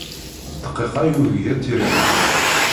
Ddqiqa yugi ad tt-yernu.